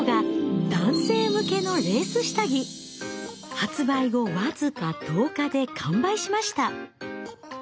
発売後僅か１０日で完売しました。